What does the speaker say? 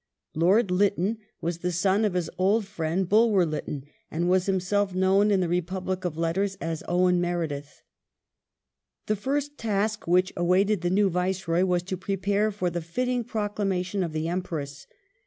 Lord Lytton was the son of his old friend Bulwer Lytton, and was himself known in the republic of letters as " Owen Meredith ". The first task which awaited the new Viceroy, was to prepare for the fitting proclamation of the Empress.